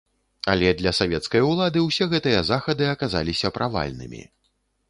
Але для савецкай улады ўсе гэтыя захады аказаліся правальнымі.